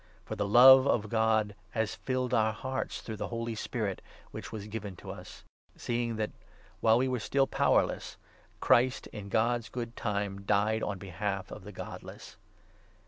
For the love of God has filled our hearts through the Holy Spirit which was given us ; seeing 6 that, while we were still powerless, Christ, in God's good time, died on behalf of the godless.